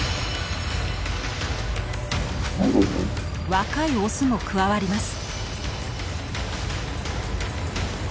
若いオスも加わります。